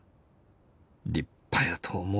立派やと思う」。